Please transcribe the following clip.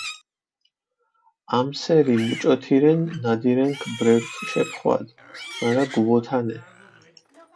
ამსერი მუჭოთირენ ნადირენქ ბრელქ შეფხვადჷ, მარა გუვოთანე.